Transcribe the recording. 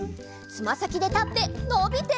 つまさきでたってのびて！